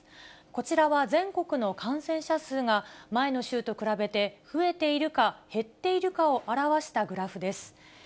こちらは全国の感染者数が、前の週と比べて増えているか、減っているかを表したグラフです。